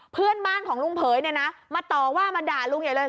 เพื่อนบ้านของลุงเผยเนี่ยนะมาต่อว่ามาด่าลุงใหญ่เลย